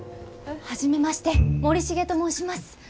初めまして森重と申します。